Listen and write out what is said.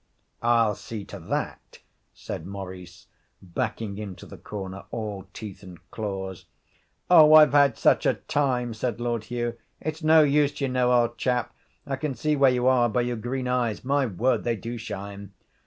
'I'll see to that,' said Maurice, backing into the corner, all teeth and claws. 'Oh, I've had such a time!' said Lord Hugh. 'It's no use, you know, old chap; I can see where you are by your green eyes. My word, they do shine.